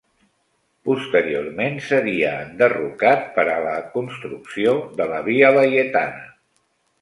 Posteriorment seria enderrocat per a la construcció de la Via Laietana.